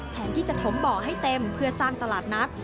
แทนที่จะถมบ่อให้เต็มเพื่อสร้างตลาดนัด